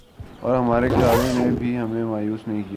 اور ہمارے کھلاڑیوں نے بھی ہمیں مایوس نہیں کیا